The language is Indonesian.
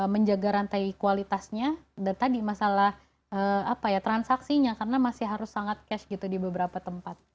menjaga rantai kualitasnya dan tadi masalah transaksinya karena masih harus sangat cash gitu di beberapa tempat